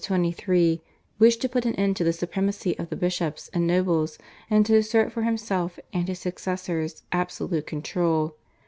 (1513 23) wished to put an end to the supremacy of the bishops and nobles and to assert for himself and his successors absolute control.